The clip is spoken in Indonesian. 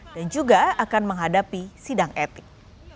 dan juga akan menghadapi sidang etik